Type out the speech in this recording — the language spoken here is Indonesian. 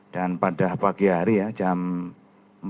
dan pada pagi hari ya jam empat pagi lah